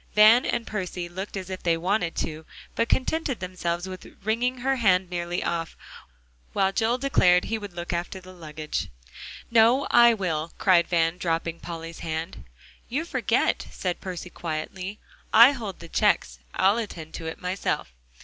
Van and Percy looked as if they wanted to, but contented themselves with wringing her hand nearly off, while Joel declared he would look after the luggage. "No, I will," cried Van, dropping Polly's hand. "You forget," said Percy quietly, "I hold the checks, I'll attend to it myself."